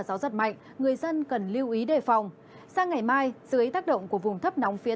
gió giật mạnh người dân cần lưu ý đề phòng sang ngày mai dưới tác động của vùng thấp nóng phía